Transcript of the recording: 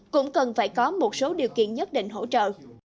cũng cần phải có một số điều kiện nhất định hỗ trợ